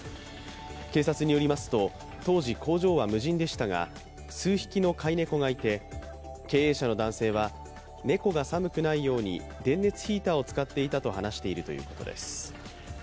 警察によりますと、当時、工場は無人でしたが、数匹の飼い猫がいて、経営者の男性は猫が寒くないように電熱ヒーターを使っていたと話しているということです。